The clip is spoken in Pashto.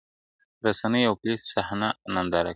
o رسنۍ او پوليس صحنه ننداره کوي,